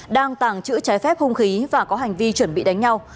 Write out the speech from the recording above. đang tàng trữ trái phép hung khí và có hành vi chuẩn bị đánh nhau